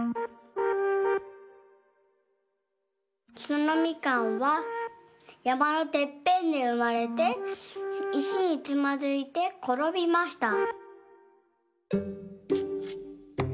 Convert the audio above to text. そのみかんはやまのてっぺんでうまれていしにつまずいてころびました。